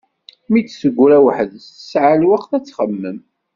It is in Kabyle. Mi d-teggra weḥds tesɛa lweqt ad txemmem.